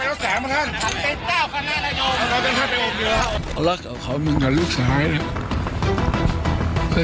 เราจะเข้าไปอบอยู่แล้วเอาแล้วขอบคุณค่ะลูกสาหร่าย